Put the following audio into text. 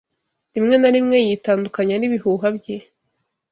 Rimwe na rimwe yitandukanya n'ibihuha bye